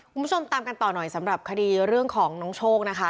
คุณผู้ชมตามกันต่อหน่อยสำหรับคดีเรื่องของน้องโชคนะคะ